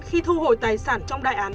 khi thu hồi tài sản trong đại án